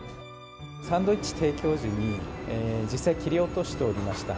サンドイッチ提供時に、実際、切り落としておりました